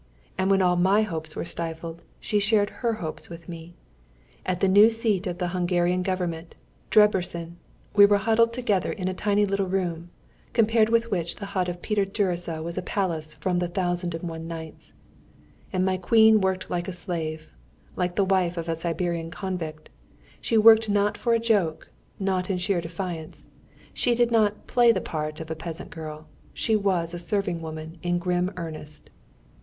And when all my hopes were stifled, she shared her hopes with me. At the new seat of the Hungarian Government, Debreczin, we were huddled together in a tiny little room, compared with which the hut of Peter Gyuricza was a palace from the Thousand and one Nights. And my queen worked like a slave, like the wife of a Siberian convict. She worked not for a joke, not in sheer defiance; she did not play the part of a peasant girl, she was a serving woman in grim earnest.